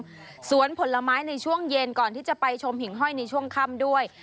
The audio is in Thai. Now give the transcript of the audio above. สวนผลไม้ในช่วงเย็นก่อนที่จะไปชมหิ่งห้อยในช่วงค่ำด้วย